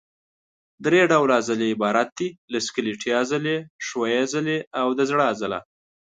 درې ډوله عضلې عبارت دي له سکلیټي عضلې، ښویې عضلې او د زړه عضله.